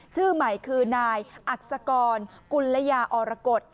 ชื่อใหม่คือนายอักษกรกุลยาอรกฏ